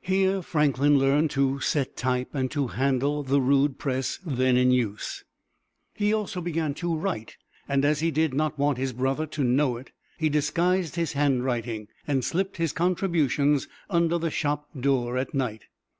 Here Franklin learned to set type and to handle the rude press then in use. He also began to write, and as he did not want his brother to know it, he disguised his handwriting, and slipped his contributions under the shop door at night.